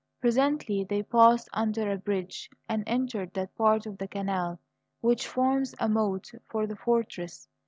Presently they passed under a bridge and entered that part of the canal which forms a moat for the fortress.